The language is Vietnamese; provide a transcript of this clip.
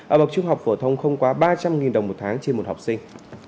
ở bậc trung học phổ thông không quá ba trăm linh đồng một tháng trên một học sinh